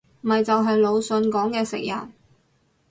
咪就係魯迅講嘅食人